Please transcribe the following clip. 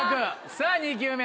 さぁ２球目。